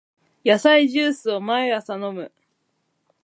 野菜ジュースを毎朝飲む